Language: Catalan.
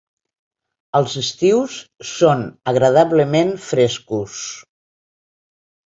Els estius són agradablement frescos.